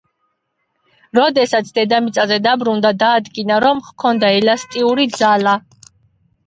როდესაც დედამიწაზე დაბრუნდა, დაადგინა, რომ ჰქონდა ელასტიური ძალა.